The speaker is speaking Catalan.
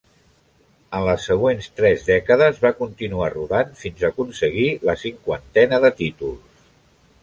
En les següents tres dècades va continuar rodant fins a aconseguir la cinquantena de títols.